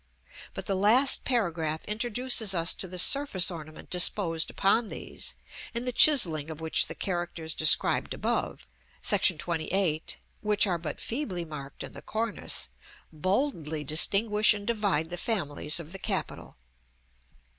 But the last paragraph introduces us to the surface ornament disposed upon these, in the chiselling of which the characters described above, § XXVIII., which are but feebly marked in the cornice, boldly distinguish and divide the families of the capital.